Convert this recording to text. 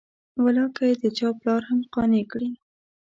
والله که یې د چا پلار هم قانع کړي.